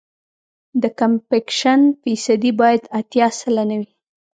د کمپکشن فیصدي باید اتیا سلنه وي